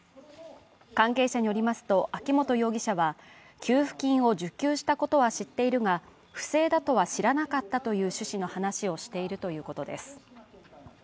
関係者によりますと、秋本容疑者は給付金を受給したことは知っているが、不正だとは知らなかったという趣旨の話をしているということです。